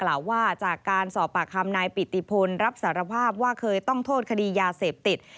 ว่าจากการสอบปากคำนายปิติพลรับสารภาพว่าเคยต้องโทษคดียาเสพติด